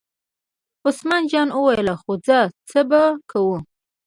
عثمان جان وویل: خو ځه څو به کوو.